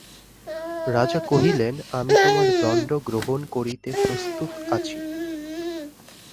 রাজা কহিলেন, আমি তোমার দণ্ড গ্রহণ করিতে প্রস্তুত আছি।